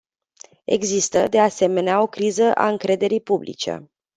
Există, de asemenea, o criză a încrederii publice.